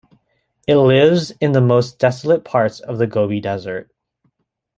It lives in the most desolate parts of the Gobi Desert.